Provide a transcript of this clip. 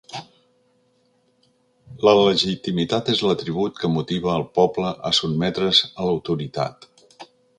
La legitimitat és l'atribut que motiva el poble a sotmetre's a l'autoritat.